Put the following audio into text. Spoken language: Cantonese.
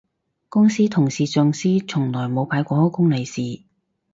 公司同事上司從來冇派過開工利是